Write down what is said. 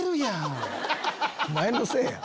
お前のせいや。